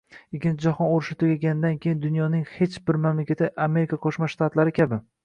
Ikkinchi jahon urushi tugaganidan keyin, dunyoning hech bir mamlakati Amerika Qo‘shma Shtatlari kabi